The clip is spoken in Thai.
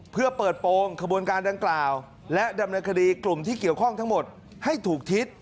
เพื่อเปิดโปรงขบวนการดังกล่าวและดำเนินคดีกลุ่มที่เกี่ยวข้องทั้งหมดให้ถูกทิศ